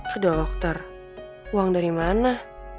ke dokter uang dari mana